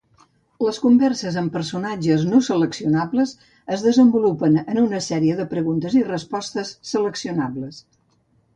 Les converses amb els personatges no seleccionables es desenvolupen en una sèrie de preguntes i respostes seleccionables.